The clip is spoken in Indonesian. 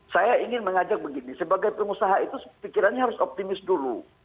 saya ingin mengajak begini sebagai pengusaha itu pikirannya harus optimis dulu